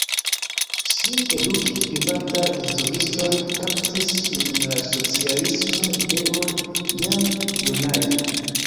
Ŝin edukis privataj instruistoj, kaptis ŝin la socialismaj ideoj jam junaĝe.